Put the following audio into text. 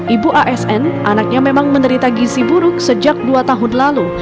ibu asn anaknya memang menderita gisi buruk sejak dua tahun lalu